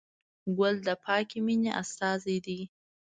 ګل د پاکې مینې استازی دی.